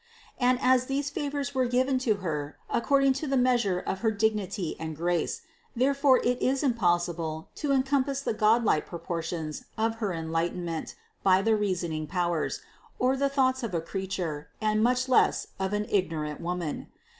And as these favors were given to Her according to the measure of her dignity and grace, therefore it is impossible to en compass the godlike proportions of her enlightenment by the reasoning powers, or the thoughts of a creature, and much less of an ignorant woman.